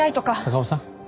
高尾さん。